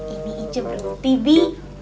ini ije berhenti bi